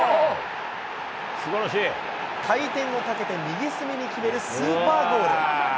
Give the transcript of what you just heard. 回転をかけて右隅に決めるスーパーゴール。